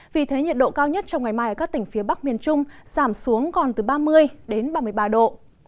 vì thế nhiệt độ cao nhất trong ngày mai ở các tỉnh phía bắc miền trung giảm xuống còn từ ba mươi đến ba mươi ba độ